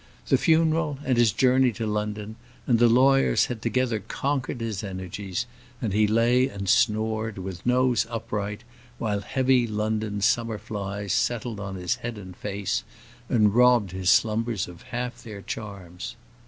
The funeral, and his journey to London, and the lawyers had together conquered his energies, and he lay and snored, with nose upright, while heavy London summer flies settled on his head and face, and robbed his slumbers of half their charms.